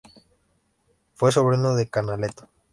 Fue sobrino de Canaletto.